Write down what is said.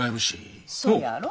そやろ？